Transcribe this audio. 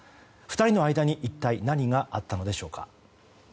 ２人の間に一体何があったのでしょうか。